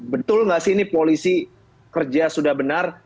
betul nggak sih ini polisi kerja sudah benar